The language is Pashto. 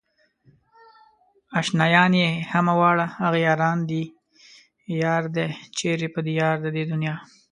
اشنايان يې همه واړه اغياران دي يار دئ چيرې په ديار د دې دنيا